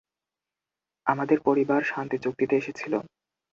আমাদের পরিবার শান্তি চুক্তিতে এসেছিল।